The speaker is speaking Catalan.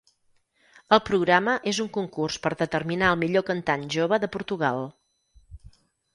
El programa és un concurs per determinar el millor cantant jove de Portugal.